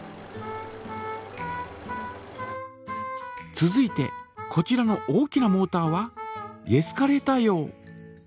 続いてこちらの大きなモータはエスカレーター用。